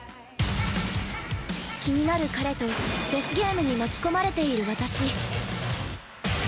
◆気になる彼とデスゲームに巻き込まれている私。